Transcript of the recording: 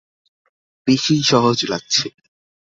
বেশিই সহজ লাগছে।